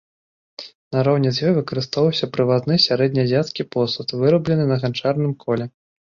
Нароўні з ёй выкарыстоўваўся прывазны сярэднеазіяцкі посуд, выраблены на ганчарным коле.